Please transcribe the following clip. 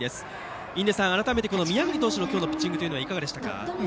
印出さん、改めて宮國投手のピッチングはいかがでしたか。